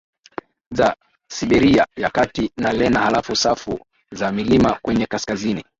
za Siberia ya Kati na Lena halafu safu za milima kwenye kaskazini